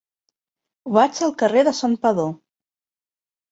Vaig al carrer de Santpedor.